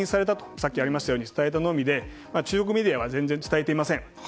さっきありましたように伝えたのみで中国メディアは全然伝えていません。